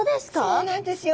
そうなんですよ。